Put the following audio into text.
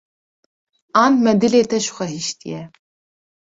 an me dilê te ji xwe hîştî ye.